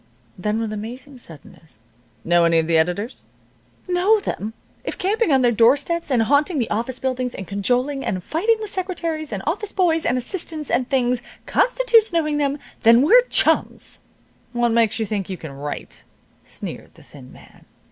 Then, with amazing suddenness, "Know any of the editors?" "Know them!" cried Mary Louise. "Know them! If camping on their doorsteps, and haunting the office buildings, and cajoling, and fighting with secretaries and office boys, and assistants and things constitutes knowing them, then we're chums." "What makes you think you can write?" sneered the thin man.